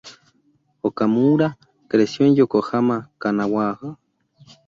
Okamura creció en Yokohama, Kanagawa.